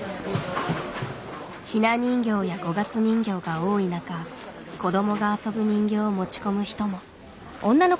ひな人形や五月人形が多い中子どもが遊ぶ人形を持ち込む人も。